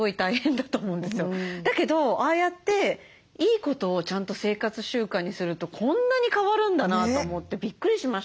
だけどああやっていいことをちゃんと生活習慣にするとこんなに変わるんだなと思ってびっくりしました。